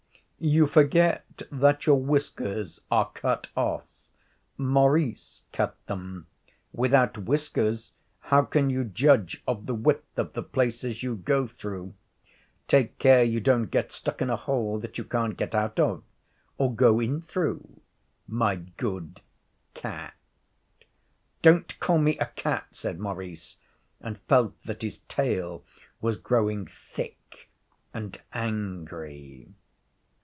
You forget that your whiskers are cut off Maurice cut them. Without whiskers, how can you judge of the width of the places you go through? Take care you don't get stuck in a hole that you can't get out of or go in through, my good cat.' 'Don't call me a cat,' said Maurice, and felt that his tail was growing thick and angry.